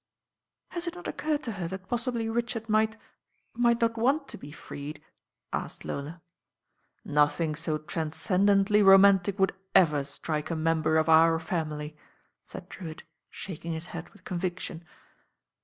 "Has it not occurred to her that possibly Richard might — might not want to be freed?" asked Lola. "Nothing so transcendently romantic would ever strike a member of our family," said Drewitt, shak ing his head with conviction.